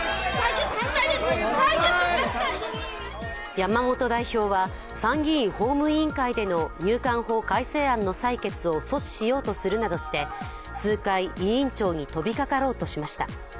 山本代表は参議院法務委員会での入管法改正案の採決を阻止しようとするなどして数回、委員長に飛びかかろうとしました。